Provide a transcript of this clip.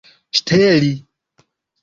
ŝteli